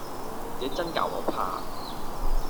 這眞教我怕，